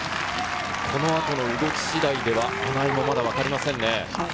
この後の動き次第では穴井もまだ分かりませんね。